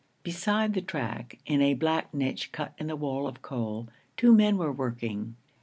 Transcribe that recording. Beside the track, in a black niche cut in the wall of coal, two men were working.